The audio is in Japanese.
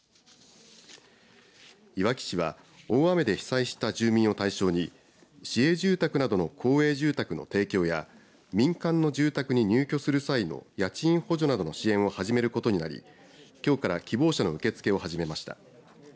いわき市は大雨で被災した住民を対象に市営住宅などの公営住宅の提供や民間の住宅に入居する際の家賃補助などの支援を始めることになりきょうから希望者の受け付けを始めました。